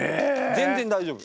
全然大丈夫！